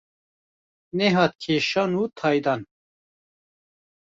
Nehat kêşan û taydan.